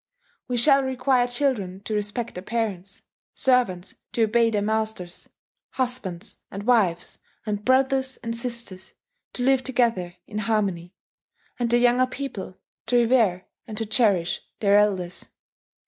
"We shall require children to respect their parents, servants to obey their masters, husbands and wives and brothers and sisters to live together in harmony, and the younger people to revere and to cherish their elders